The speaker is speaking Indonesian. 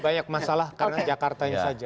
banyak masalah karena jakartanya saja